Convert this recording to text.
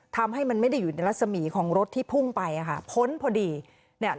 ทำให้มันไม่ได้อยู่ในรัศมีของรถที่พุ่งไปอ่ะค่ะพ้นพอดีเนี่ย